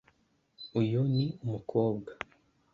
uyu ni umukobwa